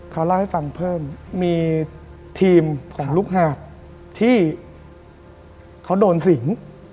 เขาโดนสิง